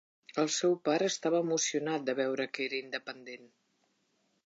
El seu pare estava emocionat de veure que era independent.